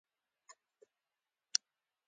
د ارغوان ګل په پسرلي کې وي